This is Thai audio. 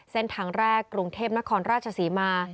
เส้นทางแรกกรุงเทพนครราชศรีมา